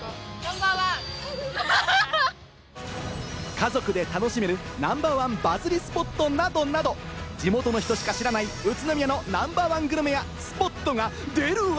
家族で楽しめるナンバーワンバズりスポットなどなど、地元の人しか知らない、宇都宮のナンバーワングルメやスポットが出るわ！